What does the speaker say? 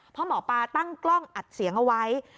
เพราะหมอปลาตั้งกล้องอัดเสียงเอาไว้